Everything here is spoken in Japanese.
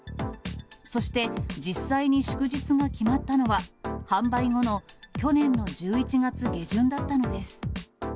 そして実際に祝日が決まったのは、販売後の去年の１１月下旬だったのです。